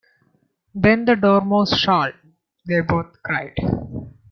‘Then the Dormouse shall!’ they both cried.